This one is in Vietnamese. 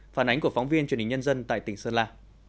phản ánh của phóng viên truyền hình nhân dân tại tỉnh sơn la